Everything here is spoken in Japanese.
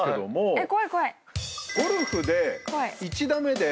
えっ？